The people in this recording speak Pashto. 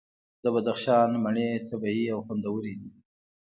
د بدخشان مڼې طبیعي او خوندورې دي.